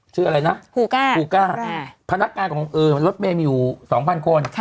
ชื่ออะไรนะฮูก้าพนักงานของรถเมย์มีอยู่๒๐๐คน